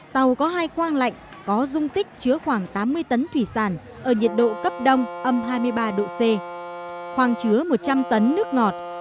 tàu có hai quang lạnh có dung tích chứa khoảng tám mươi tấn thủy sản ở nhiệt độ cấp đông âm hai mươi ba độ c khoang chứa một trăm linh tấn nước ngọt